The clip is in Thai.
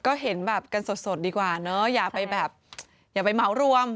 ก็เห็นแบบกันสดดีกว่าเนอะอย่าไปแบบอย่าไปเหมารวม